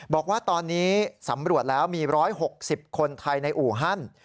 บอกว่าตอนนี้สำรวจแล้วมี๑๖๐คนไทยในอู่ฮั่น